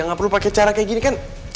gak perlu pakai cara kayak gini kan